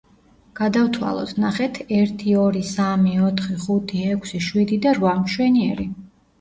გადავთვალოთ, ნახეთ: ერთი, ორი, სამი, ოთხი, ხუთი, ექვსი, შვიდი და რვა. მშვენიერი.